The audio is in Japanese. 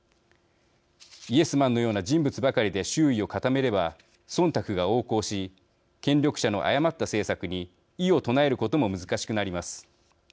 イエスマンのような人物ばかりで周囲を固めればそんたくが横行し権力者の誤った政策に異を唱えることも難しくなります。